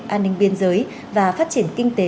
an ninh biên giới và phát triển kinh tế